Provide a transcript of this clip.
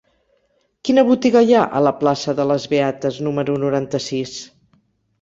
Quina botiga hi ha a la plaça de les Beates número noranta-sis?